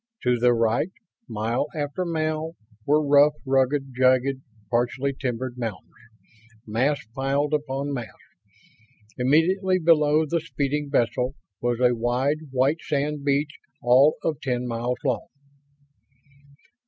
To the right, mile after mile, were rough, rugged, jagged, partially timbered mountains, mass piled upon mass. Immediately below the speeding vessel was a wide, white sand beach all of ten miles long.